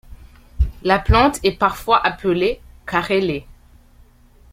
La plante est parfois appelée Carélé.